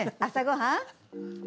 朝ごはん？